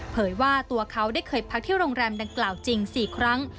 ว่าตัวเขาได้เคยพักที่โรงแรมดังกล่าวจริง๔ครั้ง